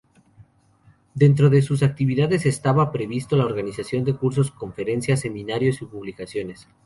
Dentro de sus actividades estaba previsto la organización de cursos, conferencias, seminarios y publicaciones.